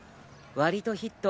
割とヒット。